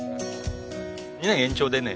２年延長でね。